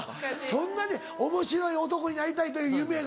そんなにおもしろい男になりたいという夢が。